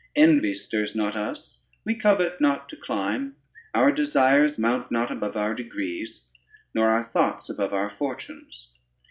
Envy stirs not us, we covet not to climb, our desires mount not above our degrees, nor our thoughts above our fortunes.